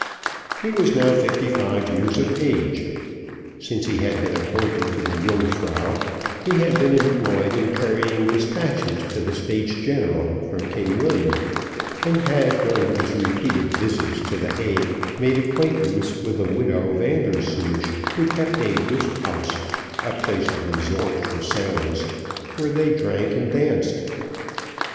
He was now fifty five years of age. Since he had been appointed to the Yungfrau, he had been employed in carrying despatches to the States General from King William, and had, during his repeated visits to the Hague, made acquaintance with the widow Vandersloosh, who kept a Lust Haus, a place of resort for sailors, where they drank and danced.